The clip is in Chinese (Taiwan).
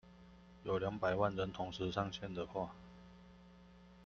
有兩百萬人同時上線的話